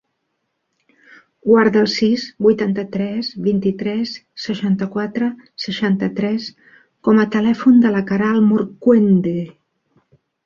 Guarda el sis, vuitanta-tres, vint-i-tres, seixanta-quatre, seixanta-tres com a telèfon de la Queralt Morcuende.